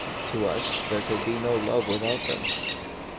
To us, there could not be love without them.